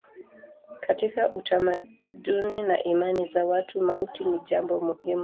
Katika utamaduni na imani za watu mauti ni jambo muhimu.